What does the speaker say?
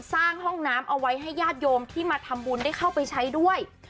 ห้องน้ำเอาไว้ให้ญาติโยมที่มาทำบุญได้เข้าไปใช้ด้วย